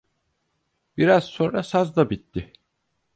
Biraz sonra saz da bitti.